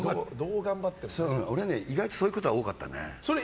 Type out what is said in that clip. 俺、意外とそういうことが多かったね。